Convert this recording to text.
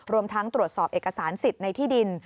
รวมทั้งตรวจสอบเอกสารสิทธิ์ในที่ดิน